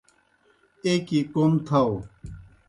ایْکیْ کوْم تھاؤ۔